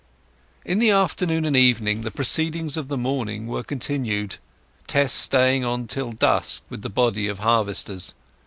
In the afternoon and evening the proceedings of the morning were continued, Tess staying on till dusk with the body of harvesters.